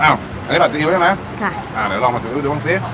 อันนี้ผัดซีอิ๊วใช่ไหมค่ะอ่าเดี๋ยวลองมาชิมให้ดูดูบ้างสิ